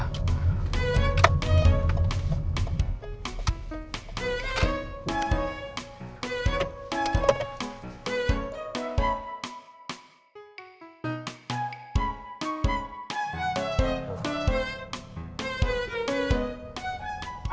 buat nanyain ke bella